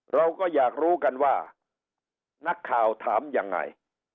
เราก็อยากรู้กันว่านักข่าวถามยังไง